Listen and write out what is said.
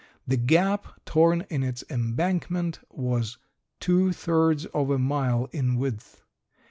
The gap torn in its embankment was two thirds of a mile in width.